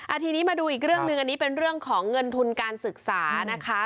ทีนี้มาดูอีกเรื่องหนึ่งอันนี้เป็นเรื่องของเงินทุนการศึกษานะคะ